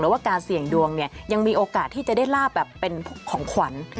ว่าการเสี่ยงดวงเนี่ยยังมีโอกาสที่จะได้ลาบแบบเป็นของขวัญ